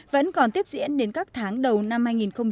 vẫn còn tiếp diễn đến các tháng đầu năm hai nghìn một mươi sáu